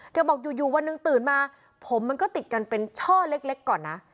บอกอยู่วันหนึ่งตื่นมาผมมันก็ติดกันเป็นช่อเล็กก่อนนะ